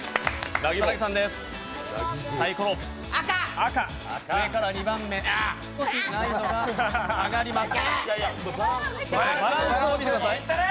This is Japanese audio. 赤、、上から２番目、少し難易度が上がります。